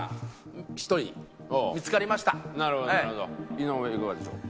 井上いかがでしょう？